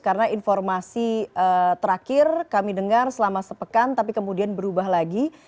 karena informasi terakhir kami dengar selama sepekan tapi kemudian berubah lagi